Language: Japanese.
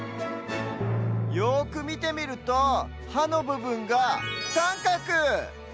よくみてみるとはのぶぶんがさんかく！